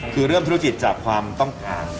คือเริ่มธุรกิจจากความต้องการ